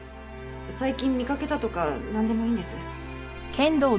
最近見かけたとかなんでもいいんです。